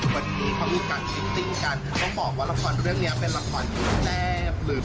วันนี้เขามีการฟิตติ้งกันต้องบอกว่าละครเรื่องนี้เป็นละครที่แซ่บลืม